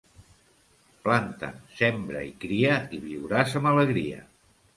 Planta, sembra i cria i viuràs amb alegria.